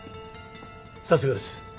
さすがです。